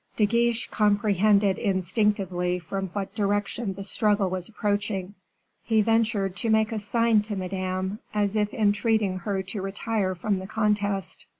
De Guiche comprehended instinctively from what direction the struggle was approaching; he ventured to make a sign to Madame, as if entreating her to retire from the contest.